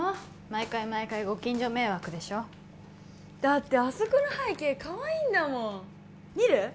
毎回毎回ご近所迷惑でしょだってあそこの背景カワイイんだもん見る？